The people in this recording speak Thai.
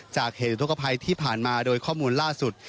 จากเหตุอุทธกภัยที่ผ่านมาโดยข้อมูลล่าสุด